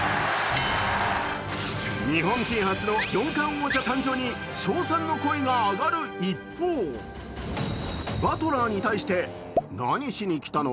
日本人初の４冠王者誕生に称賛の声が上がる一方バトラーに対して、何しに来たの？